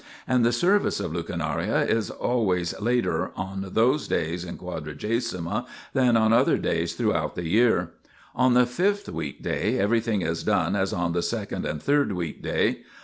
And the service of lucernare is always later on those days in Quadragesima than on other days throughout the year. On the fifth weekday everything is done as on the second and third weekday.